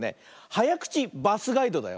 「はやくちバスガイド」だよ。